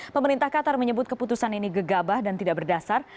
pemerintah qatar menyebut keputusan ini gegabah dan tidak berdasar